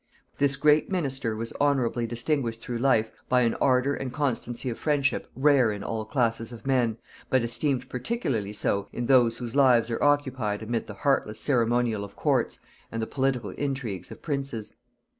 This great minister was honorably distinguished through life by an ardor and constancy of friendship rare in all classes of men, but esteemed peculiarly so in those whose lives are occupied amid the heartless ceremonial of courts and the political intrigues of princes.